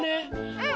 うん！